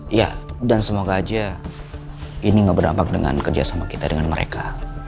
iya dan semoga aja ini gak berdampak dengan kerjasama kita dengan mereka